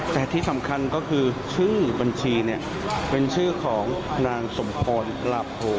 แต่ที่สำคัญก็คือชื่อบัญชีเนี่ยเป็นชื่อของนางสมพรลาโพ